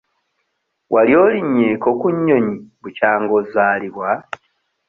Wali olinnyeeko ku nnyonyi bukyanga ozaalibwa?